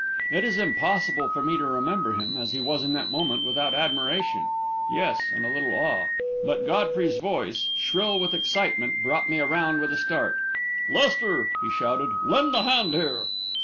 It is impossible for me to remember him, as he was in that moment, without admiration yes, and a little awe. But Godfrey's voice, shrill with excitement, brought me around with a start. "Lester!" he shouted. "Lend a hand here!"